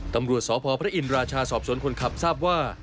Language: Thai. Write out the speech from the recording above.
ตำรวจสพพระอินราชาสอบสวนคนขับทราบว่า